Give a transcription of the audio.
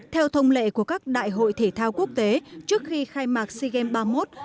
theo thông lệ của các đại hội thể thao quốc tế trước khi khai mạc sea games ba mươi một